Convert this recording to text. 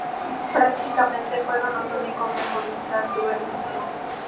Prácticamente fueron los únicos en solicitar su registro.